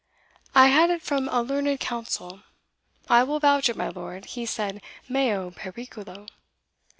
I had it from a learned counsel. I will vouch it, my lord, he said, meo periculo."